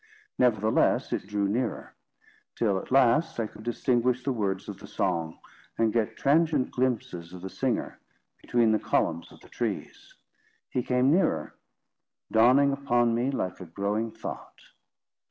Nevertheless, it drew nearer; till, at last, I could distinguish the words of the song, and get transient glimpses of the singer, between the columns of the trees. He came nearer, dawning upon me like a growing thought.